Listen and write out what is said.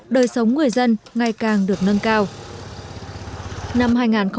đời sống người dân ngày càng được nâng cao